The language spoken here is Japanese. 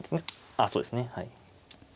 あそうですねはい。